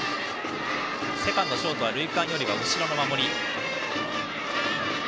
セカンド、ショートは塁間より後ろの守り。